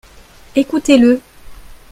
Écoutez-le.